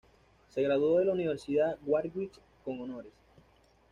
Se graduó de la Universidad Warwick con honores.